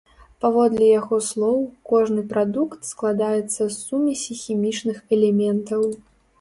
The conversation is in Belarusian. Паводле яго слоў, кожны прадукт складаецца з сумесі хімічных элементаў.